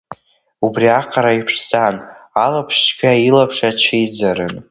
Убри аҟара иԥшӡан, алаԥш цәгьа илаԥш ацәиӡарын.